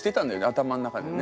頭の中でね。